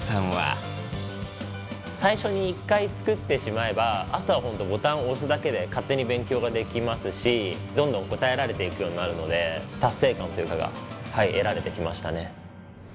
最初に１回作ってしまえばあとはボタンを押すだけで勝手に勉強ができますしどんどん答えられていくようになるので達成感が得られてきましたね。